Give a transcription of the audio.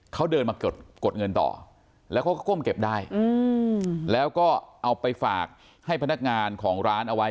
เขาเดินมากดเงินต่อแล้วเขาก็ก้มเก็บได้แล้วก็เอาไปฝากให้พนักงานของร้านเอาไว้